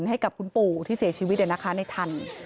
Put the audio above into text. ให้กับคุณปู่ที่เสียชีวิตอย่างน้าค้าในทัน